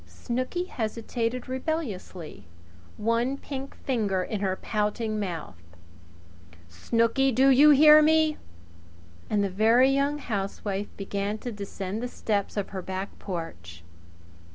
Snooky hesitated rebelliously, one pink finger in her pouting mouth. "Snooky! Do you hear me?" And the Very Young Wife began to descend the steps of her back porch.